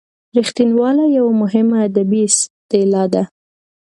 رغښتواله یوه مهمه ادبي اصطلاح ده.